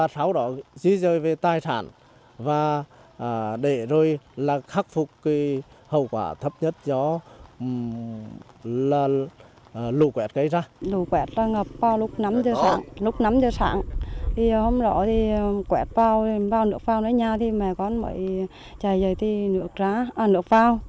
thì hôm đó thì quẹt vào nước vào nơi nhà thì mẹ con mới chạy về thì nước vào